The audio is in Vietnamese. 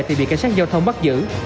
thì bị cảnh sát giao thông bắt giữ